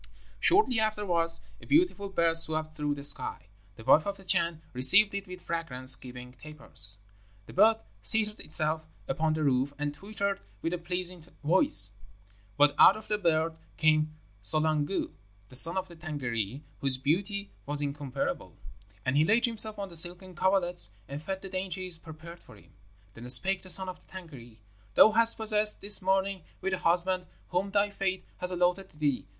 "Shortly afterwards a beautiful bird swept through the sky. The wife of the Chan received it with fragrance giving tapers. The bird seated itself upon the roof and twittered with a pleasing voice; but out of the bird came Solangdu, the Son of the Tângâri, whose beauty was incomparable, and he laid himself on the silken coverlets and fed of the dainties prepared for him. Then spake the son of the Tângâri, 'Thou hast passed this morning with the husband whom thy fate has allotted to thee.